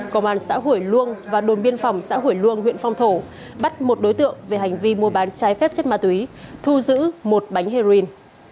công an xã hủy luông và đồn biên phòng xã hủy luông huyện phong thổ bắt một đối tượng về hành vi mua bán trái phép chất ma túy thu giữ một bánh heroin